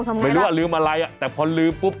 ไม่รู้ว่าลืมอะไรอ่ะแต่พอลืมปุ๊บ